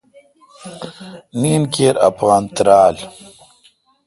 نین کیر اپان تیرال۔